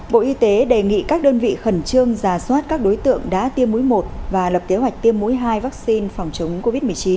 bộ y tế đề nghị các đơn vị khẩn trương giả soát các đối tượng đã tiêm mũi một và lập kế hoạch tiêm mũi hai vaccine phòng chống covid một mươi chín